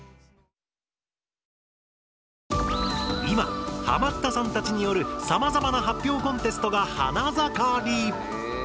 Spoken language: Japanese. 今ハマったさんたちによるさまざまな発表コンテストが花ざかり！